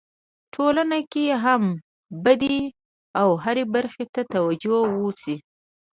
ټولنه کي هم باید و هري برخي ته توجو وسي.